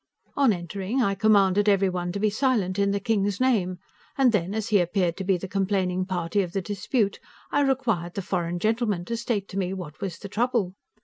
On entering, I commanded everyone to be silent, in the king's name, and then, as he appeared to be the complaining party of the dispute, I required the foreign gentleman to state to me what was the trouble.